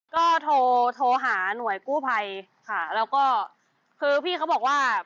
ก็โทรโทรหาหน่วยกู้ภัยค่ะแล้วก็คือพี่เขาบอกว่า